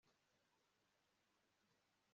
amategeko yo gusarura ni ugusarura ibirenze kubiba